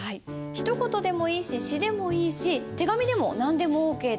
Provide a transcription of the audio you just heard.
ひと言でもいいし詩でもいいし手紙でも何でもオーケーです。